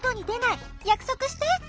やくそくして。